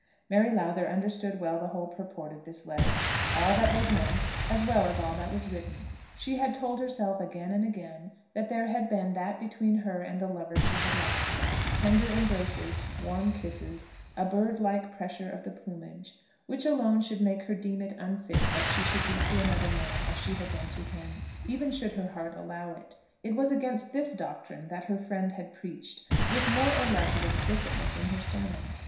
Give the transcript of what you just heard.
Mary Lowther understood well the whole purport of this letter, all that was meant as well as all that was written. She had told herself again and again that there had been that between her and the lover she had lost, tender embraces, warm kisses, a bird like pressure of the plumage, which alone should make her deem it unfit that she should be to another man as she had been to him, even should her heart allow it. It was against this doctrine that her friend had preached, with more or less of explicitness in her sermon.